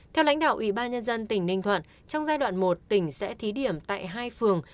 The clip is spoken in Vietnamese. theo lãnh đạo ubnd tỉnh ninh thuận trong giai đoạn một tỉnh sẽ thí điểm tại hai phường